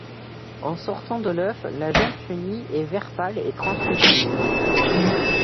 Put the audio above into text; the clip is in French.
En sortant de l'œuf, la jeune chenille est vert pâle et translucide.